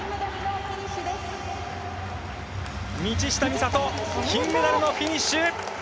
道下美里金メダルのフィニッシュ！